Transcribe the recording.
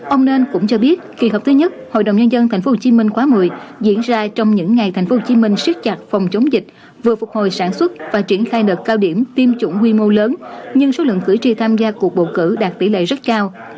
ông nên cũng cho biết kỳ họp thứ nhất hội đồng nhân dân tp hcm khóa một mươi diễn ra trong những ngày tp hcm siết chặt phòng chống dịch vừa phục hồi sản xuất và triển khai đợt cao điểm tiêm chủng quy mô lớn nhưng số lượng cử tri tham gia cuộc bầu cử đạt tỷ lệ rất cao